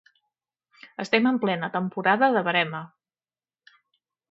Estem en plena temporada de verema.